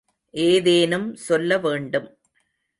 ஏதேனும் சொல்ல வேண்டும்.